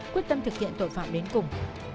quyết tâm thực hiện tội phạm đến cùng